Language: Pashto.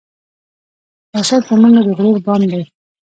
راشد زمونږه د غرور بام دی